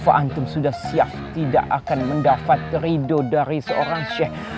afa'antum sudah siap tidak akan mendapat ridho dari seorang seh